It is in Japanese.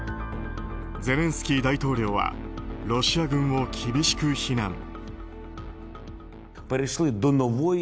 ゼレンスキー大統領はロシア軍を厳しく非難。